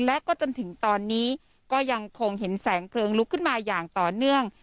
และก็จนถึงตอนนี้ก็ยังคงเห็นแสงเพลิงลุกขึ้นมาอย่างต่อเนื่อง